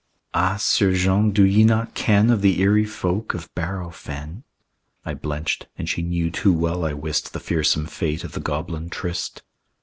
"Ah, 'Sieur Jean, do ye not ken Of the eerie folk of Bareau Fen?" I blenched, and she knew too well I wist The fearsome fate of the goblin tryst.